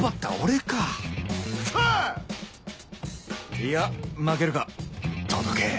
いや負けるか届け